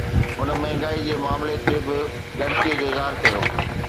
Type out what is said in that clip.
هن مهانگائي جي معاملي تي به ڳڻتي جو اظهار ڪيو